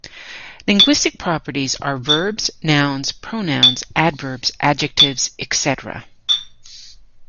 Linguistic properties are verbs, nouns, pronouns, adverbs, adjectives, etc...